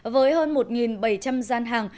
với hơn một bảy trăm linh gian hàng